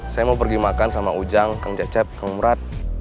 saya mau pergi makan sama ujang kang cecep kang urat